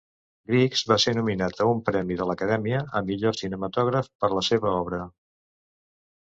Griggs va ser nominat a un Premi de l"Acadèmia a millor cinematògraf per la seva obra.